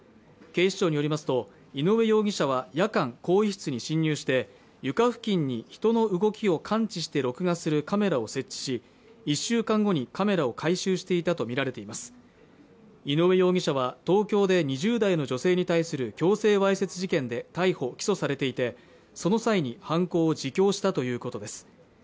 警視庁によりますと井上容疑者は夜間更衣室に侵入して床付近に人の動きを感知して録画するカメラを設置し１週間後にカメラを回収していたと見られています井上容疑者は東京で２０代の女性に対する強制わいせつ事件で逮捕起訴されていてその際に犯行を自供したということです